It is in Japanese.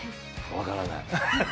わからない。